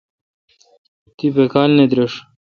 تی باکال نہ درݭ ۔